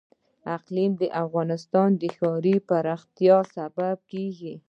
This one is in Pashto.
اقلیم د افغانستان د ښاري پراختیا سبب کېږي.